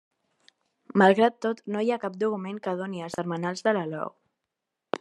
Malgrat tot no hi ha cap document que doni els termenals de l'alou.